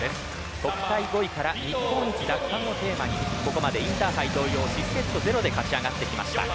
国体５位から日本一奪還をテーマにここまでインターハイ同様失セット０で勝ち上がってきました。